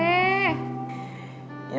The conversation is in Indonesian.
ya lo tau kan